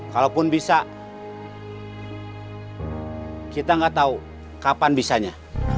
kalaupun bisa kita nggak tahu kapan bisanya